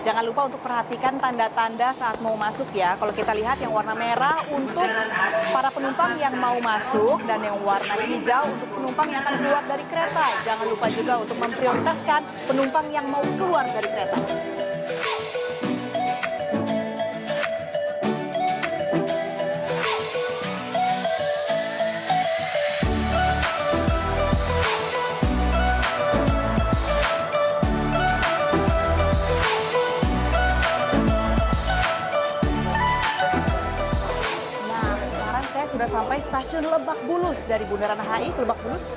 nah sekarang saya sudah sampai stasiun lebak bulus dari bundaran hi ke lebak bulus